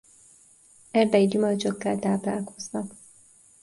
Erdei gyümölcsökkel táplálkoznak.